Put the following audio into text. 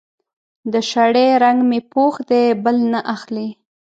د شړۍ رنګ مې پوخ دی؛ بل نه اخلي.